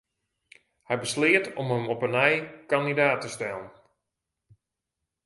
Hy besleat om him op 'e nij kandidaat te stellen.